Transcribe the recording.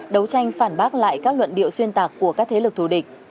đấu tranh phản bác lại các luận điệu xuyên tạc của các thế lực thù địch